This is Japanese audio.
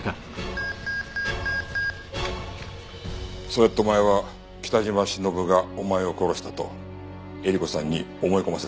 そうやってお前は北島しのぶがお前を殺したとえり子さんに思い込ませたんだな。